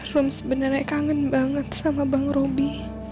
rum sebenarnya kangen banget sama bang robi